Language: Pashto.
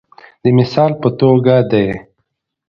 د مثال په توګه د